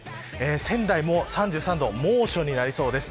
仙台も３３度猛暑になりそうです。